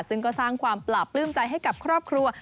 ซึ่งก็สร้างความปราบปลื้มใจให้กับครอบครัว